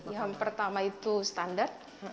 yang pertama itu standar